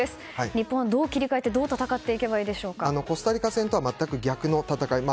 日本は、どう切り替えてどう戦っていけばコスタリカ戦とは逆の戦い方。